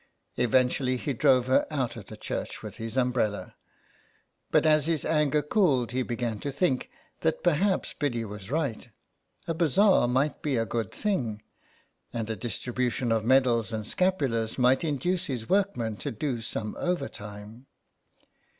Eventually he drove her out of the church with his umbrella. But as his anger cooled he began to think that perhaps Biddy was right — a bazaar might be a good thing, and a distribution of medals and scapulars might induce his workmen to do some overtime.